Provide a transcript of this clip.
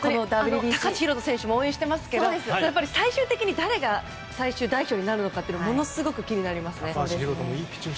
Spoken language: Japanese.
高橋宏斗選手も応援してますけど最終的に誰が代表メンバーになるのかものすごく気になりますね。